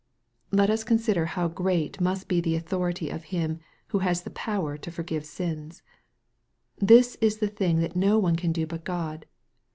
Let us consider how great must be the authority of Him, who has the power to forgive sins 1 This is the thing that none can do but God.